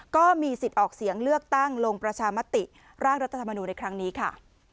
ก็มีสิทธิ์ออกเสียงเลือกตั้งลงประชามติร่างรัฐธรรมนูลในครั้งนี้ค่ะ